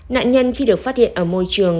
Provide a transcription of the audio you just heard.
nạn nhân khi được phát hiện ở môi trường